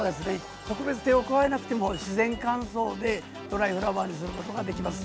特別、手を加えなくても自然乾燥でドライフラワーにすることができます。